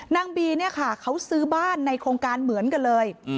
นางบีเนี่ยค่ะเขาซื้อบ้านในโครงการเหมือนกันเลย